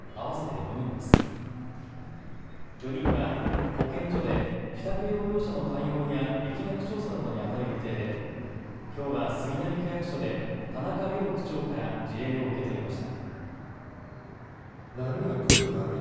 ４人は保健所で自宅療養者の対応や疫学調査などにあたる予定できょうは杉並区役所で田中良区長から辞令を受け取りました。